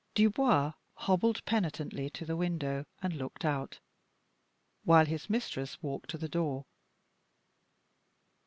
Dubois hobbled penitently to the window and looked out, while his mistress walked to the door.